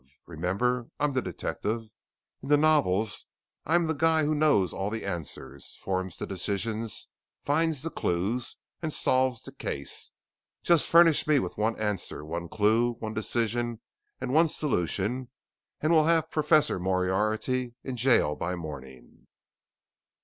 Remember, I'm the detective. In the novels I'm the guy who knows all the answers, forms the decisions, finds the clues, and solves the case. Just furnish me with one answer, one clue, one decision, and one solution and we'll have Professor Moriarity in gaol by morning."